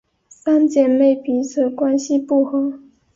三姐妹彼此关系不和。